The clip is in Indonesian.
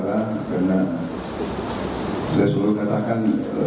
karena saya suruh katakan